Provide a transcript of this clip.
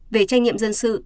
về trách nhiệm dân sự